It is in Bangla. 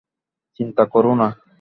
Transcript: চিন্তা কোরো না।